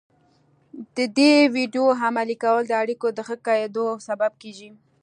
د دې ويډيو عملي کول د اړيکو د ښه کېدو سبب کېږي.